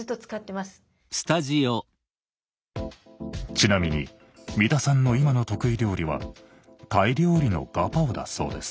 ちなみに三田さんの今の得意料理はタイ料理のガパオだそうです。